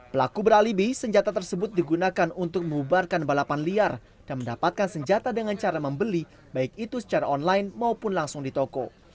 pelaku beralibi senjata tersebut digunakan untuk membubarkan balapan liar dan mendapatkan senjata dengan cara membeli baik itu secara online maupun langsung di toko